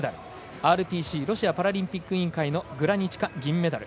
ＲＰＣ＝ロシアパラリンピック委員会のグラニチカ、銀メダル。